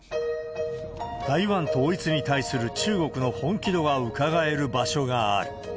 台湾統一に対する中国の本気度がうかがえる場所がある。